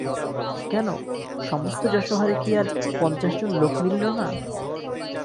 কেন, সমস্ত যশোহরে কি আর পঞ্চাশ জন লোক মিলিল না।